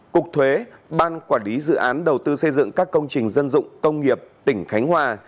cục thuế ban quản lý dự án đầu tư xây dựng các công trình dân dụng công nghiệp tỉnh khánh hòa